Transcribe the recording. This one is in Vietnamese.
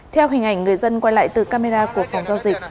theo hình ảnh người dân quay lại từ camera của phòng giao dịch